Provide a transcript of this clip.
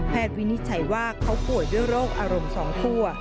แพทย์วินิจฉัยว่าเค้าโกรถด้วยโรคอารมณ์สองคั่ว